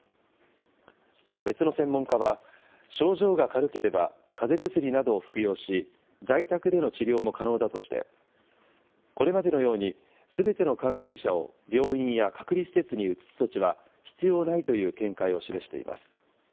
また別の専門家は、症状が軽ければかぜ薬などを服用し、在宅での治療も可能だとして、これまでのように、すべての感染者を病院や隔離施設に移す措置は、必要ないという見解を示しています。